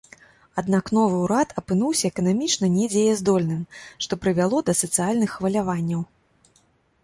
Аднак новы ўрад апынуўся эканамічна недзеяздольным, што прывяло да сацыяльных хваляванняў.